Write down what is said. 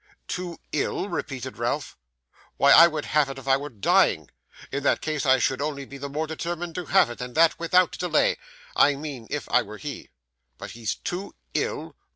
'Too ill!' repeated Ralph. 'Why I would have it if I were dying; in that case I should only be the more determined to have it, and that without delay I mean if I were he. But he's too ill!